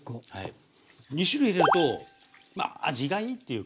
２種類入れるとまあ味がいいっていうか